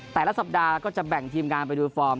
แต่ละสัปดาห์ก็จะแบ่งทีมงานไปดูฟอร์ม